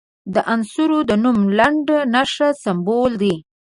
د عنصر د نوم لنډه نښه سمبول دی.